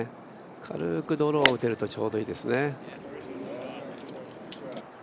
軽くドローを打てるとちょうどいいですね。